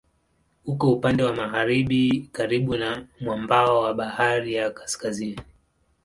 Uko upande wa magharibi karibu na mwambao wa Bahari ya Kaskazini.